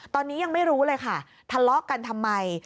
ตอนนี้ยังไม่รู้เลยค่ะทะเลาะกันทำไม